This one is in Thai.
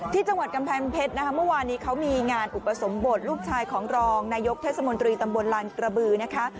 ที่จังหวัดกำแพงเพชรนะคะเมื่อวานนี้เขามีงานอุปสมบทลูกชายของรองนายกเทศมนตรีตำบลลานกระบือนะคะ